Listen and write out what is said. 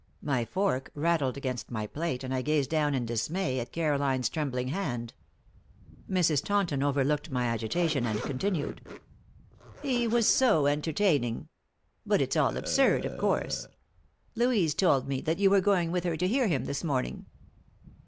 My fork rattled against my plate, and I gazed down in dismay at Caroline's trembling hand. Mrs. Taunton overlooked my agitation and continued: "He was so entertaining! But it's all absurd, of course. Louise told me that you were going with her to hear him this morning."